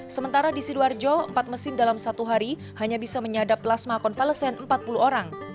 sementara di sidoarjo empat mesin dalam satu hari hanya bisa menyadap plasma konvalesen empat puluh orang